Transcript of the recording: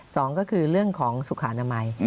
สองก็คือเรื่องของสุขอนามัย